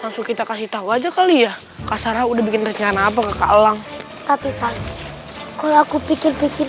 langsung kita kasih tahu aja kali ya kasar udah bikin rencana apa kak lang tapi kalau aku pikir